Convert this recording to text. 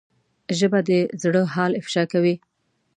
ژبه د زړه حال افشا کوي